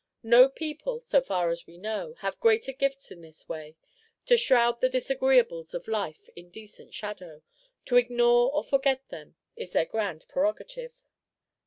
No people, so far as we know, have greater gifts in this way; to shroud the disagreeables of life in decent shadow to ignore or forget them is their grand prerogative.